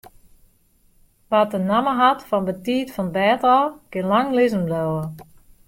Wa't de namme hat fan betiid fan 't bêd ôf, kin lang lizzen bliuwe.